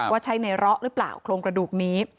ว่าใช้ในเลาะหรือเปล่าโครงกระดูกนี้